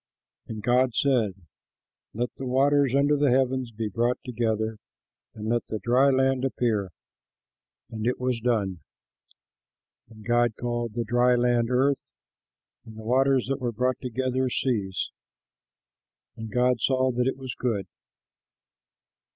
And God said, "Let the waters under the heavens be brought together, and let the dry land appear." And it was done. And God called the dry land Earth and the waters that were brought together Seas. And God saw that it was good.